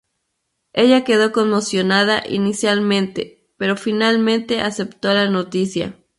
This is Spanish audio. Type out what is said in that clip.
Ella quedó conmocionada inicialmente, pero finalmente aceptó la noticia.